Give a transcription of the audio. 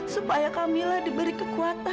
supaya kamila diberikan kepadamu